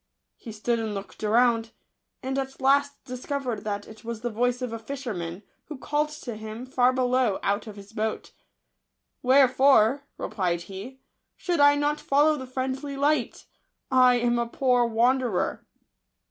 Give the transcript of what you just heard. He stood and looked around, and at last discovered that it was the voice of a fisherman, who called to him, far below, out of his boat " Wherefore," replied he, " should I not follow the friendly light ? I am a poor wanderer."